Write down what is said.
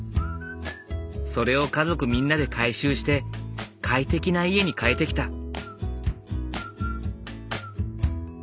それを家族みんなで改修して快適な家に変えてきた。